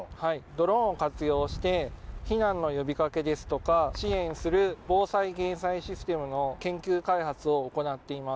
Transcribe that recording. ドローンを活用して、避難の呼びかけですとか、支援する防災減災システムの研究開発を行っています。